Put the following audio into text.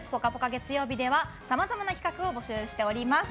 月曜日ではさまざまな企画を募集しております。